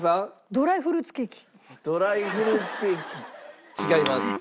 ドライフルーツケーキ違います。